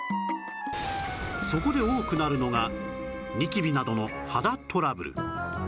そこで多くなるのがニキビなどの肌トラブル